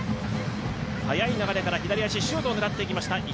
速い流れからシュートを狙っていきました